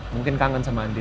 mungkin kangen sama andi